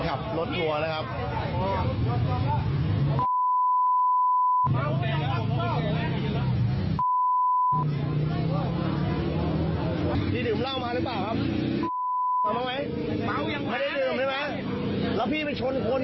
ไม่ร่างหลงมานะครับมาไหมดูยังไม่ได้ดื่มเลยนะ